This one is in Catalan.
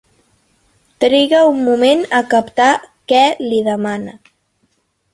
Triga un moment a captar què li demana.